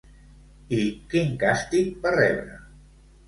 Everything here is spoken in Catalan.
I quin càstig va rebre?